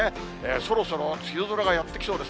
そろそろ梅雨空がやって来そうです。